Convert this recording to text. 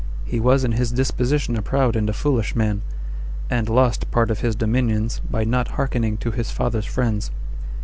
He was in his disposition a proud and a foolish man, and lost [part of his] dominions by not hearkening to his father's friends.